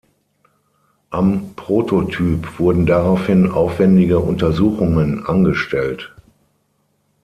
Am Prototyp wurden daraufhin aufwändige Untersuchungen angestellt.